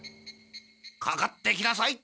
かかってきなさい！